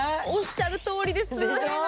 おっしゃるとおりです。